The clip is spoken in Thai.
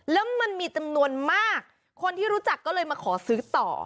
แล้วมันมีจำนวนมากคนที่รู้จักก็เลยมาขอซื้อต่อ